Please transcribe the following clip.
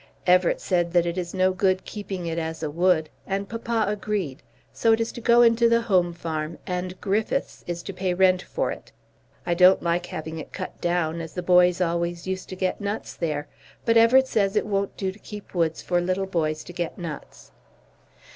Everett said that it is no good keeping it as a wood, and papa agreed. So it is to go into the home farm, and Griffiths is to pay rent for it. I don't like having it cut down as the boys always used to get nuts there, but Everett says it won't do to keep woods for little boys to get nuts.